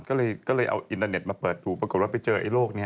ก็เลยเอาอินเตอร์เน็ตมาเปิดถูกปรากฏว่าไปเจอไอ้โลกนี้